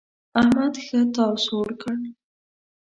احمد ښه تاو سوړ کړ.